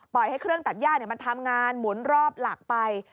ให้เครื่องตัดย่ามันทำงานหมุนรอบหลักไป